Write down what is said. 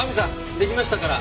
出来ましたから。